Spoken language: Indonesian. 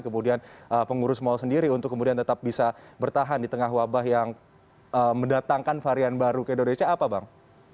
kemudian pengurus mal sendiri untuk kemudian tetap bisa bertahan di tengah wabah yang mendatangkan varian baru ke indonesia apa bang